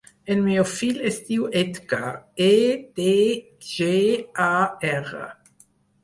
El meu fill es diu Edgar: e, de, ge, a, erra.